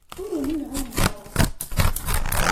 Ur umineɣ ayen ẓerreɣ.